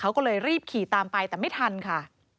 เขาก็เลยรีบขี่ตามไปแต่ไม่ทันค่ะ